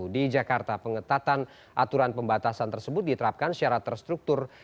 di jakarta pengetatan aturan pembatasan tersebut diterapkan secara terstruktur